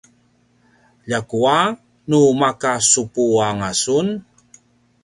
ljakua nu maka supu anga sun